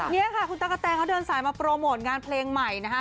นี่ค่ะคุณตั๊กกะแตนเขาเดินสายมาโปรโมทงานเพลงใหม่นะคะ